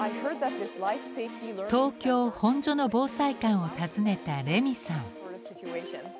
東京・本所の防災館を訪ねたレミーさん。